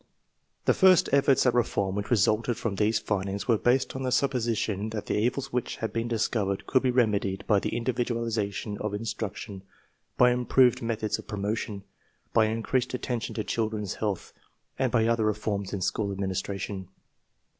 The first efforts at reform which resulted from these findings were based on the supposition that the evils which had been discovered could be remedied by the individualiz ing of instruction, by improved methods of promotion, by increased attention to children's health, and by other re forms in school administration.